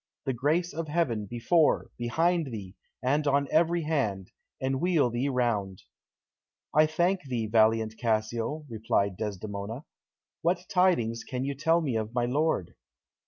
The grace of heaven, before, behind thee, and on every hand, enwheel thee round!" "I thank thee, valiant Cassio," replied Desdemona. "What tidings can you tell me of my lord?"